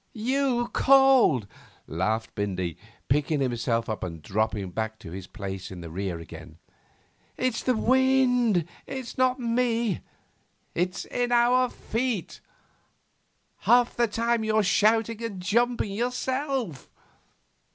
'You called,' laughed Bindy, picking himself up and dropping back to his place in the rear again. 'It's the wind, not me; it's in our feet. Half the time you're shouting and jumping yourself!